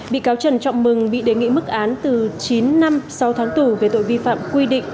bị cáo trần trọng mừng bị đề nghị mức án từ chín năm sáu tháng tù về tội vi phạm quy định